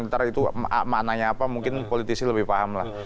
ntar itu maknanya apa mungkin politisi lebih paham lah